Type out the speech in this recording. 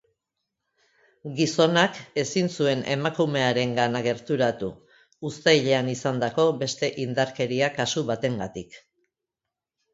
Gizonak ezin zuen emakumearengana gerturatu, uztailean izandako beste indarkeria kasu batengatik.